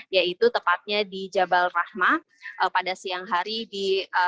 yaitu tepatnya di jabal rahmah pada siang hari di